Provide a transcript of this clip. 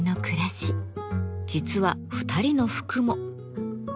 実は２人の服も。